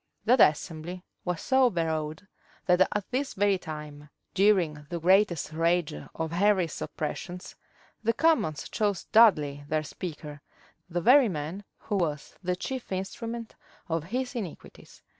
{1504.} That assembly was so overawed, that at this very time, during the greatest rage of Henry's oppressions, the commons chose Dudley their speaker, the very man who was the chief instrument of his iniquities.